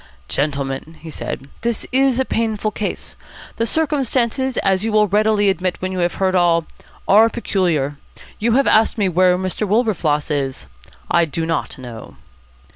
"Gentlemen," he said, "this is a painful case. The circumstances, as you will readily admit when you have heard all, are peculiar. You have asked me where Mr. Wilberfloss is. I do not know."